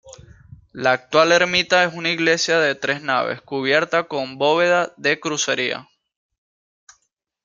La actual ermita es una iglesia de tres naves, cubierta con bóveda de crucería.